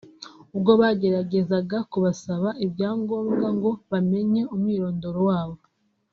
ubwo bageragezaga kubasaba ibyangombwa ngo bamenye umwirondoro wabo